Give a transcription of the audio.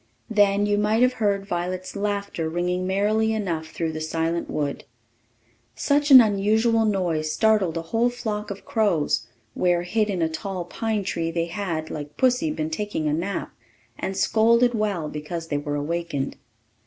Then you might have heard Violet's laughter ringing merrily enough through the silent wood. Such an unusual noise startled a whole flock of crows, where, hid in a tall pine tree, they had, like pussy, been taking a nap, and scolded well because they were awakened.